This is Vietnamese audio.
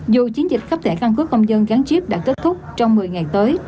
dù chiến dịch khắp thẻ căn cứ công dân gán chip đã kết thúc trong một mươi ngày tới